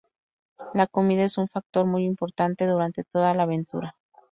La comida es un factor muy importante durante toda la aventura.